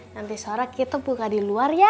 nanti sore kita buka di luar ya